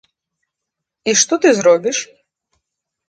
І што ты зробіш?